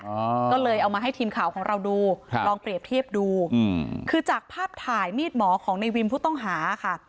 อ่าก็เลยเอามาให้ทีมข่าวของเราดูครับลองเปรียบเทียบดูอืมคือจากภาพถ่ายมีดหมอของในวิมผู้ต้องหาค่ะ